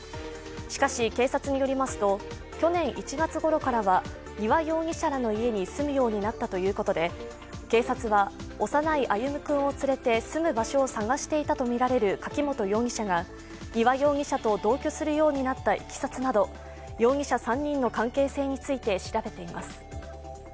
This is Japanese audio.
しかし、警察によりますと、去年１月ごろからは丹羽容疑者らの家に住むようになったということで警察は、幼い歩夢君を連れて住む場所を探していたとみられる柿本容疑者が丹羽容疑者と同居するようになったいきさつなど、容疑者３人の関係性について調べています。